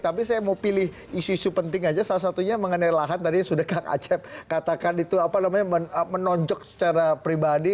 tapi saya mau pilih isu isu penting aja salah satunya mengenai lahan tadi sudah kang acep katakan itu apa namanya menonjok secara pribadi